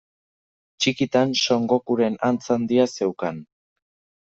Txikitan Son Gokuren antza handia zeukan.